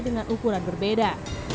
dengan ukuran berbeda